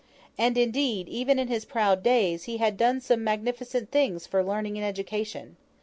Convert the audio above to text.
And indeed, even in his proud days, he had done some magnificent things for learning and education.